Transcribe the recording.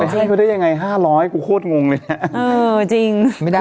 ไปให้เขาได้ยังไง๕๐๐กูโคตรงงเลยนะ